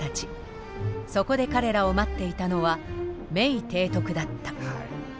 そこで彼らを待っていたのはメイ提督だった。